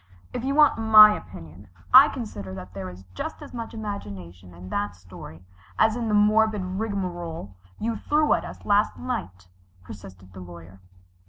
"If you want my opinion, I consider that there is just as much imagination in that story as in the morbid rigmarole you threw at us last night," persisted the Lawyer.